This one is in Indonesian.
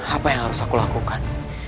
apa yang harus aku lakukan